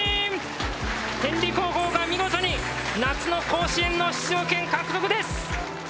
天理高校が見事に夏の甲子園の出場権を獲得です！